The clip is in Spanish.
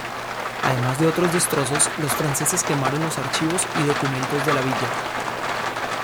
Además de otros destrozos, los franceses quemaron los archivos y documentos de la villa.